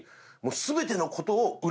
全てのことを」